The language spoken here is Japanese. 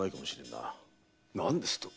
何ですと？